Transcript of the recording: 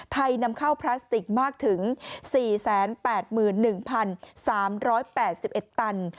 นำเข้าพลาสติกมากถึง๔๘๑๓๘๑ตัน